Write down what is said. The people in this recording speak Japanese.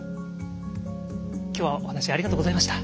今日はお話ありがとうございました。